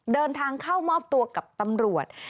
เดินทางเข้ามอบตัวกับตำรวจ